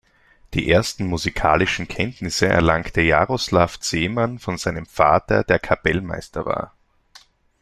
Die ersten musikalischen Kenntnisse erlangte Jaroslav Zeman von seinem Vater, der Kapellmeister war.